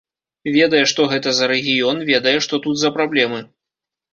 Ведае, што гэта за рэгіён, ведае, што тут за праблемы.